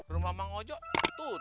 rumah emang ojo tutup tuh